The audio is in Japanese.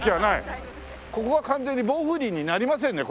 ここは完全に防風林になりませんね